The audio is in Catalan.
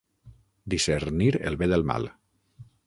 Discernir el bé del mal.